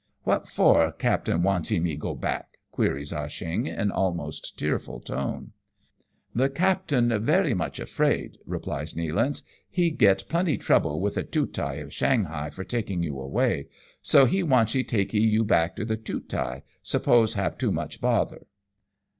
" What for captain wantchee me go back ?" queries Ah Cheong, in almost tearful tone. " The captain very much afraid," replies Nealance, "he get plenty trouble with the Tootai of Shanghai for taking you away ; so he wantchee takee you back to the Tootai, suppose have too much bother."